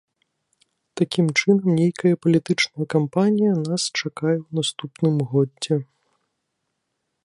Такім чынам, нейкая палітычная кампанія нас чакае ў наступным годзе.